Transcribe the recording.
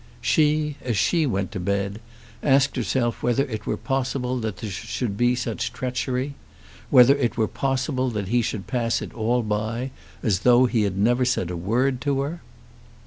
She, as she went to bed, asked herself whether it were possible that there should be such treachery; whether it were possible that he should pass it all by as though he had never said a word to her!